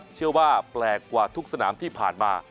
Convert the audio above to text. เชื่อว่าแปลกกว่าทุกสนามที่ผ่านมา